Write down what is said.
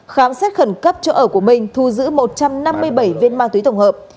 khám xét khẩn cấp chỗ ở của minh thu giữ một trăm năm mươi bảy viên ma túy tổng hợp